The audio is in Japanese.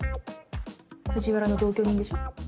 藤原の同居人でしょ？